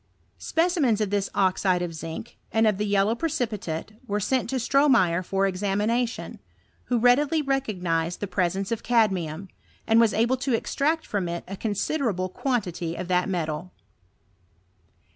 Specimens of this oxide of zinc, and of the yellow precipitate, were sent to Stromeyer for examination, who readily recognised the presence of cadmium, and was able to extract from it a considerable quan tity of that metal.